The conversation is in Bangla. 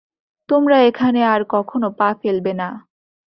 তোমরা এখানে আর কখনো পা ফেলবে না।